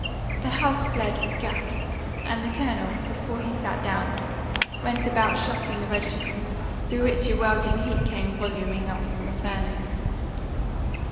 The house flared with gas; and the Colonel, before he sat down, went about shutting the registers, through which a welding heat came voluming up from the furnace.